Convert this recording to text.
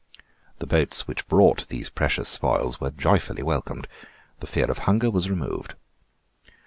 The boats which brought these precious spoils were joyfully welcomed. The fear of hunger was removed.